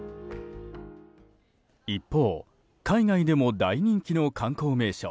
一方、海外でも大人気の観光名所